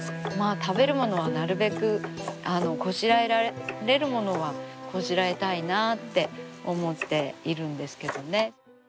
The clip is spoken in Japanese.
食べるものはなるべくこしらえられるものはこしらえたいなあって思っているんですけどね。